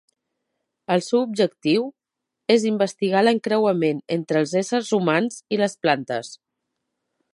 El seu objectiu és investigar l'encreuament entre els éssers humans i les plantes.